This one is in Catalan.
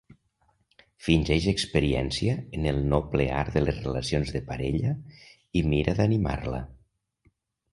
Fingeix experiència en el noble art de les relacions de parella i mira d'animar-la.